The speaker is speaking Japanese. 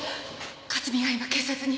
克巳が今警察に！